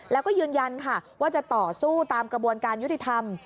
แล้วก็ยืนยันค่ะว่าจะต่อสู้ตามกระบวนการยุติธรรม